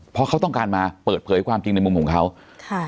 เพราะเขาต้องการมาเปิดเผยความจริงในมุมของเขาค่ะ